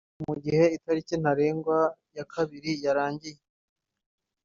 Mu gihe itariki ntarengwa ya kabiri yarangiye